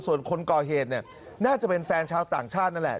ส่วนคนก่อเหตุเนี่ยน่าจะเป็นแฟนชาวต่างชาตินั่นแหละ